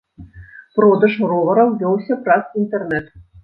Продаж ровараў вёўся праз інтэрнэт.